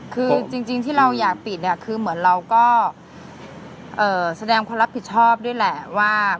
คือจริงที่เราอยากปิดเนี่ยคือเหมือนเราก็แสดงความรับผิดชอบด้วยแหละว่า